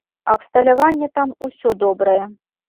Абсталяванне там усё добрае.